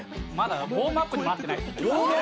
ウォームアップにもなってない？